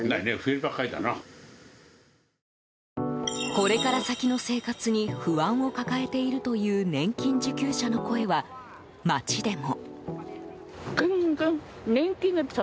これから先の生活に不安を抱えているという年金受給者の声は、街でも。